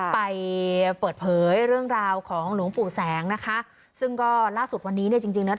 ไปเปิดเผยเรื่องราวของหลวงปู่แสงนะคะซึ่งก็ล่าสุดวันนี้เนี่ยจริงจริงแล้ว